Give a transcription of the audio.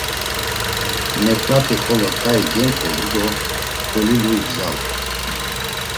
Neǩnati xolo ǩai genǩolu do golilu igzalu.